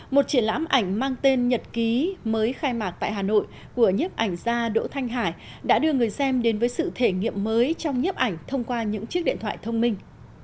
một triển lãm ảnh mang tên nhật ký mới khai mạc tại hà nội của nhiếp ảnh gia đỗ thanh hải đã đưa người xem đến với sự thể nghiệm mới trong nhiếp ảnh thông qua những chiếc điện thoại thông minh